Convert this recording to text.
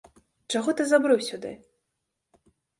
Чаго ты забрыў сюды?